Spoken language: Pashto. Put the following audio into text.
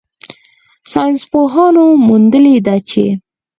ساینسپوهانو موندلې ده چې